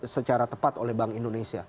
secara tepat oleh bank indonesia